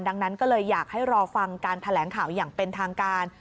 ดังนั้นก็เลยอยากให้รอฟังการแถลงข่าวอย่างเป็นทางการ